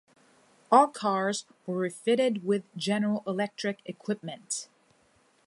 All cars were refitted with General Electric equipment.